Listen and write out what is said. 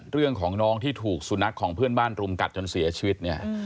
เรื่องของน้องที่ถูกสุนัขของเพื่อนบ้านรุมกัดจนเสียชีวิตเนี่ย